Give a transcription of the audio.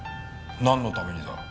なんのためにだ？